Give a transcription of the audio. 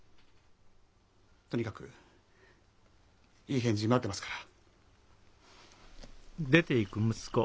とにかくいい返事待ってますから。